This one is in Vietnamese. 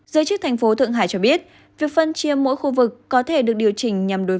giới chức thành phố thượng hải cho biết việc phân chia mỗi khu vực có thể được điều chỉnh